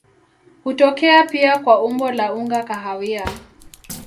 Hutokea pia kwa umbo la unga kahawia.